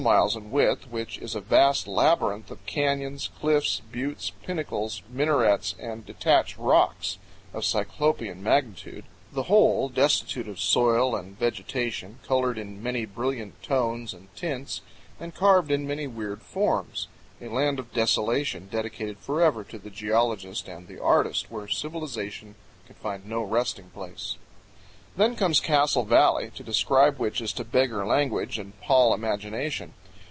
miles in width which is a vast labyrinth of canyons, cliffs, buttes, pinnacles, minarets, and detached rocks of Cyclopean magnitude, the whole destitute of soil and vegetation, colored in many brilliant tones and tints, and carved in many weird forms, a land of desolation, dedicated forever to the geologist and the artist, where civilization can find no resting place. Then comes Castle Valley, to describe which is to beggar language and pall imagination.